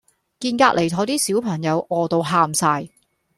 見隔離枱啲小朋友餓到喊哂